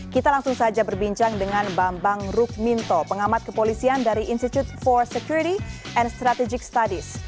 kita langsung saja berbincang dengan bambang rukminto pengamat kepolisian dari institute for security and strategic studies